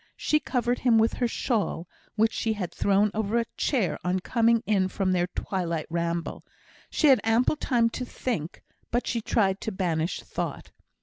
She covered him with her shawl, which she had thrown over a chair on coming in from their twilight ramble. She had ample time to think; but she tried to banish thought.